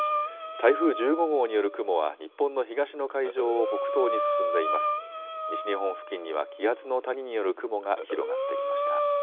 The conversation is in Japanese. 西日本付近には気圧の谷による雲が広がってきました。